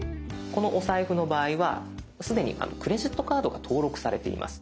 このおサイフの場合はすでにクレジットカードが登録されています。